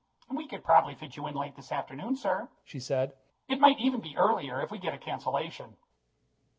"We could probably fit you in late this afternoon, sir," she said. "It might even be earlier, if we get a cancellation."